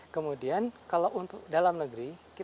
kemudian kalau untuk dalam negeri